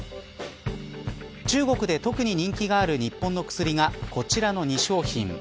中国で特に人気がある日本の薬がこちらの２商品。